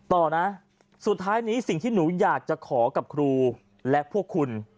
ต่อนะสุดท้ายนี้สิ่งที่หนูอยากจะขอกับครูและพวกคุณ